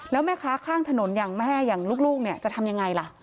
แล้วแม่ค้าข้างถนนอย่างแม่อย่างลูกเนี่ยจะทำยังไงล่ะ